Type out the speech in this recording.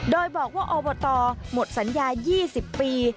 โดยบอกว่าอบตหมดสัญญา๒๐ปี